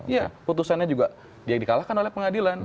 ya putusannya juga dia dikalahkan oleh pengadilan